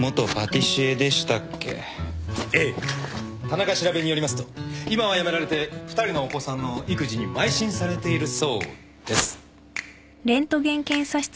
田中調べによりますと今は辞められて２人のお子さんの育児にまい進されているそうです。